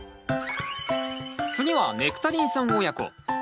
次はネクタリンさん親子。